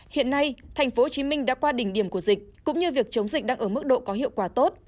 hiện nay tp hcm đã qua đỉnh điểm của dịch cũng như việc chống dịch đang ở mức độ có hiệu quả tốt